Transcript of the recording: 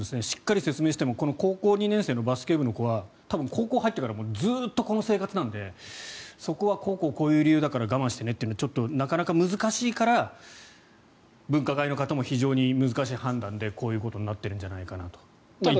しっかり説明してもこの高校２年生のバスケ部の子は多分、高校入ってからずっとこの生活なのでそこはこうこうこういう理由だから我慢してねというのはなかなか難しいから分科会の方も非常に難しい判断でこういうことになっているんじゃないかなと。